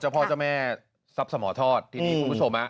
เจ้าพ่อเจ้าแม่ทรัพย์สมหทอดที่พี่คุณพูดโชว์มา